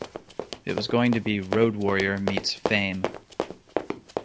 It was going to be Road Warrior meets "Fame".